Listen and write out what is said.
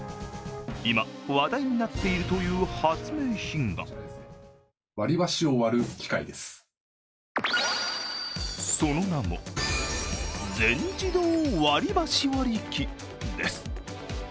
今、話題になっているという発明品がその名も全自動割り箸割り機です。